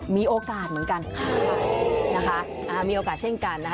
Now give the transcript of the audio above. มีโอกาสเหมือนกันนะคะมีโอกาสเช่นกันนะคะ